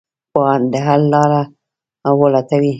پوهان د حل لاره ولټوي.